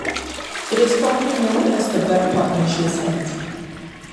It is commonly known as the black pugnacious ant.